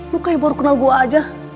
lu kayak baru kenal gue aja